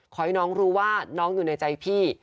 ขอให้น้องรู้ว่าน้องอยู่ในใจพี่